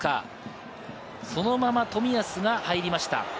そのまま冨安が入りました。